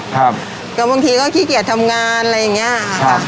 บางทีก็ขี้เกียจทำงานอะไรอย่างเงี้ยค่ะ